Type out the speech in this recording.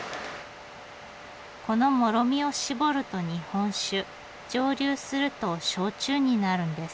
このモロミを搾ると日本酒蒸留すると焼酎になるんです。